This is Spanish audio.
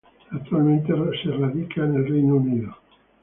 Actualmente radica en Reino Unido.